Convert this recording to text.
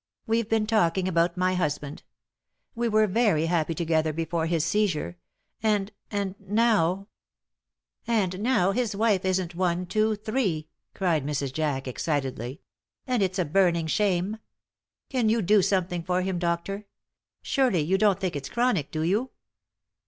"We've been talking about my husband. We were very happy together before his seizure. And and now " "And now his wife isn't one, two, three," cried Mrs. Jack, excitedly; "and it's a burning shame. Can you do something for him, doctor? Surely you don't think it's chronic, do you?"